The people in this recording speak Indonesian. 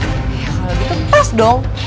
kalau gitu pas dong